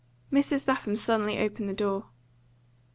Mrs. Lapham suddenly opened the door.